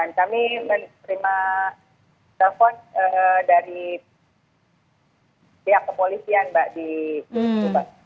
kami menerima telepon dari pihak kepolisian mbak di tuban